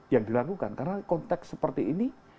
yang dilakukan karena konteks seperti ini